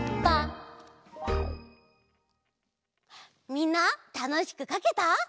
みんなたのしくかけた？